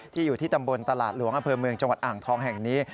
อยู่ที่ตำบลตลาดหลวงอำเภอเมืองจังหวัดอ่างทองแห่งนี้